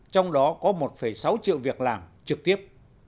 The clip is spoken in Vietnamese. trong đó có một sáu triệu việc làm trực tiếp